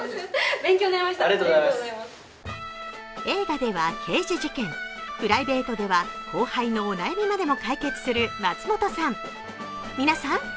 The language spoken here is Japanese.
映画では刑事事件、プライベートでは後輩のお悩みまでも解決する松本さん。